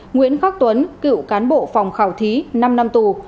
nguyễn khắc tuấn cựu cán bộ phòng khảo thí năm tù